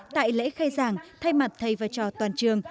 tại lễ khai giảng thay mặt thầy và trò toàn trường